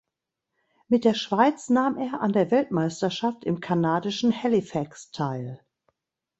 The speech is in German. Mit der Schweiz nahm er an der Weltmeisterschaft im kanadischen Halifax teil.